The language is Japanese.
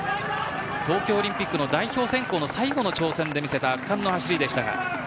東京オリンピックの代表選考の最後の挑戦で見せた圧巻の走りでした。